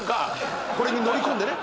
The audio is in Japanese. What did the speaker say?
これに乗り込んでね